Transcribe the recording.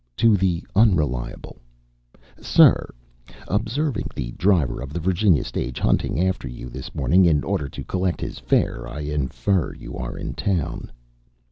To the Unreliable: SIR Observing the driver of the Virginia stage hunting after you this morning, in order to collect his fare, I infer you are in town.